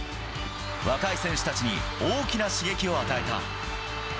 若い選手たちに大きな刺激を与えた。